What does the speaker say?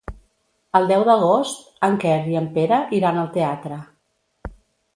El deu d'agost en Quer i en Pere iran al teatre.